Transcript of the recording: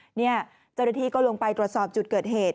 เจ้าหน้าที่ก็ลงไปตรวจสอบจุดเกิดเหตุ